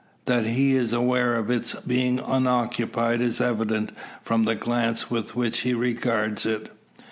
That he is aware of its being unoccupied is evident, from the glance with which he regards it.